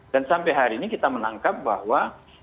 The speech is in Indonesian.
dan sampai hari ini kita menangkap bahwa